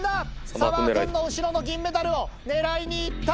サマーくんの後ろの銀メダルを狙いに行った！